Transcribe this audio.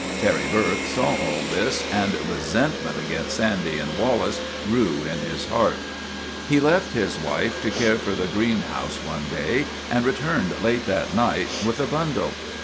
Terry Burke saw all this, and resentment against 34 THE TWA DOGS O' GLENFERGUS Sandy and Wallace grew in his heart. He left his wife to care for the greenhouse one day and re turned late that night with a bundle.